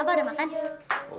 abah udah makan